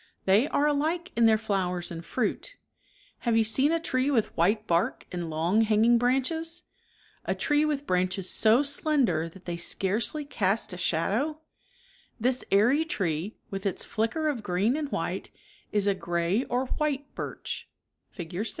They are alike in their flowers and fruit Have you seen a tree with white bark and long, hanging branches ?> A tree with branches so slender ». EuRoi BAN White bibck. jJj^j j^^gy scarccly cast a shadow ? This airy tree with its flicker of green and white is a gray or white birch (Fig.